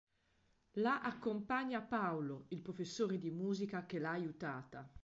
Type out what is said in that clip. La accompagna Paolo, il professore di musica che l'ha aiutata.